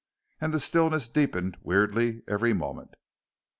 And the stillness deepened weirdly every moment.